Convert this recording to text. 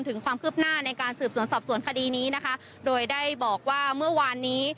ถึงความคืบหน้าในการสืบสวนสอบสวนคดีนี้นะคะโดยได้บอกว่าเมื่อวานนี้